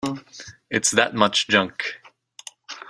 It's that much junk.